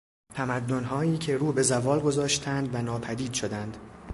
تمدنهایی که روبه زوال گذاشتند و ناپدید شدند